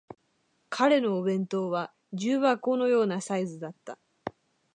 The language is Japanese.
彼のお弁当は重箱のようなサイズだった